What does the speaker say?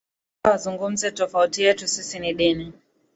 u wakae wazungumuze tofauti yetu sisi ni ndini